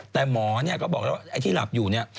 แต่หมอก็บอกว่าไอที่หลับอยู่เนี่ย